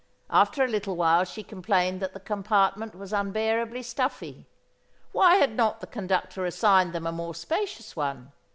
After a little while she complained that the compartment was unbearably stuffy. Why had not the conductor assigned them a more spacious one?